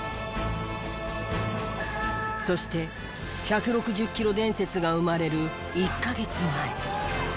そして１６０キロ伝説が生まれる１カ月前。